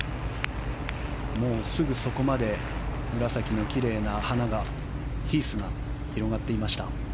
もうすぐそこまで紫のきれいな花がヒースが広がっていました。